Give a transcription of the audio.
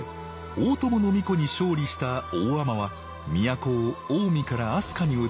大友皇子に勝利した大海人は都を近江から飛鳥にうつし即位。